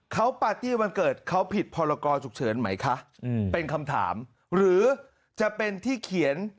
เขาปาร์ตี้วันเกิดเขาผิดพรกรฉุกเฉินไหมคะเป็นคำถามหรือจะเป็นที่เขียน